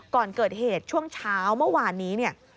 ก่อนเกิดเหตุช่วงเช้าเมื่อวานนี้เนี่ย